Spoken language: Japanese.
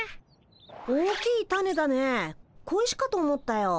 大きいタネだね小石かと思ったよ。